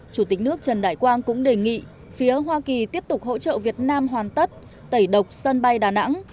chủ tịch nước trần đại quang cũng đề nghị phía hoa kỳ tiếp tục hỗ trợ việt nam hoàn tất tẩy độc sân bay đà nẵng